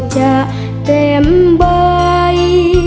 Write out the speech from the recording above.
จะเต็มใบ